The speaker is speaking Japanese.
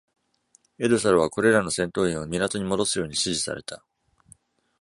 「エドサル」はこれらの「戦闘員」を港に戻すように指示された。